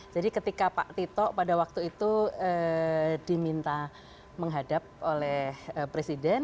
jadi ketika pak tito pada waktu itu diminta menghadap oleh presiden